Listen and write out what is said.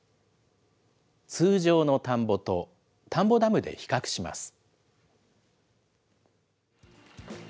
通常の田んぼと、田んぼダムで比較します。